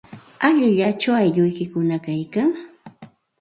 ¿Alilachu aylluykikuna kaykan?